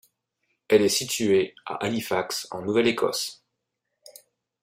Elle est située à Halifax en Nouvelle-Écosse.